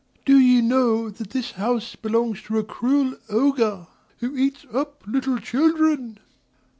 Do ye know that this house belongs to a cruel Ogre, who eats up little children?"